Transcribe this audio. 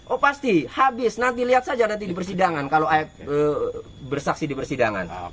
oh pasti habis nanti lihat saja nanti di persidangan kalau bersaksi di persidangan